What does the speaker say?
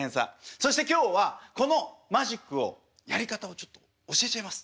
そして今日はこのマジックをやり方をちょっと教えちゃいます。